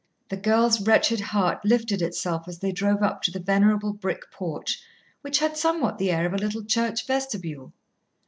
The girl's wretched heart lifted itself as they drove up to the venerable brick porch which had somewhat the air of a little church vestibule.